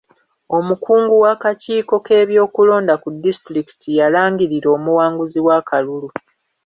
Omukungu w'akakiiko k'ebyokulonda ku disitulikiti yalangirira omuwanguzi w'akalulu.